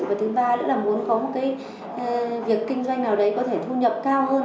và thứ ba nữa là muốn có một cái việc kinh doanh nào đấy có thể thu nhập cao hơn